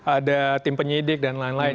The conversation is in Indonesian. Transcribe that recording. ada tim penyidik dan lain lain